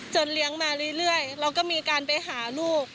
เลี้ยงมาเรื่อยเราก็มีการไปหาลูก